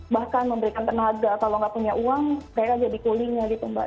bahkan memberikan tenaga kalau nggak punya uang mereka jadi coolingnya gitu mbak